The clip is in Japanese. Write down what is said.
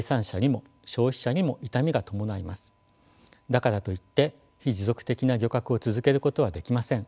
だからといって非持続的な漁獲を続けることはできません。